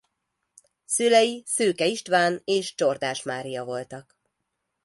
Szülei Szőke István és Csordás Mária voltak.